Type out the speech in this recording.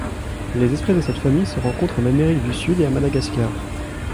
Les espèces de cette famille se rencontrent en Amérique du Sud et à Madagascar.